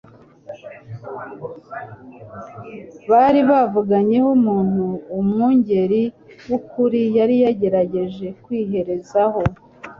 Bari bavanyeho umuntu Umwungeri w'ukuri yari yagerageje kwireherezaho.